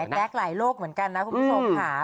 แจ๊กหลายโลกเหมือนกันนะคุณผู้ชมค่ะ